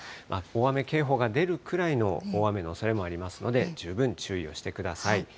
大雨警報が出るくらいの大雨のおそれもありますので、十分注意をしてください。